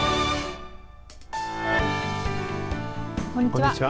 こんにちは。